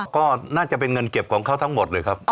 ก็น่าจะเป็นเงินเก็บของเขาทั้งหมดเลยครับ